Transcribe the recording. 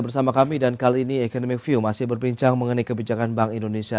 bersama kami dan kali ini academic view masih berbincang mengenai kebijakan bank indonesia